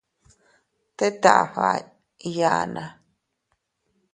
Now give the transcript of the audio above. Teet afba iyana.